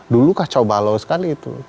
dulu kacau balau sekali itu